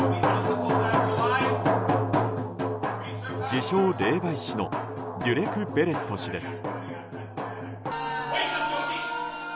自称霊媒師のデュレク・ベレット氏です。